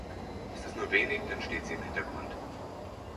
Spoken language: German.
Ist es nur wenig, dann steht sie im Hintergrund.